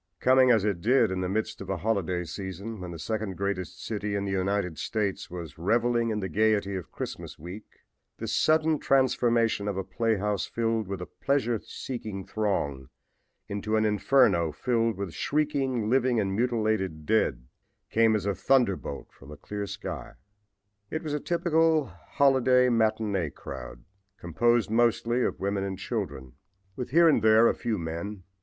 Coming, as it did, in the midst of a holiday season, when the second greatest city in the United States was reveling in the gaiety of Christmas week, this sudden transformation of a playhouse filled with a pleasure seeking throng into an inferno filled with shrieking living and mutilated dead, came as a thunderbolt from a clear sky. It was a typical holiday matinee crowd, composed mostly of women and children, with here and there a few men.